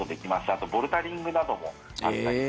あと、ボルダリングなどもあったり。